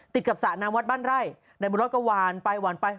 ติดกับสระน้ำวัดบ้านไร่นายบุญรถก็หวานไปหวานไป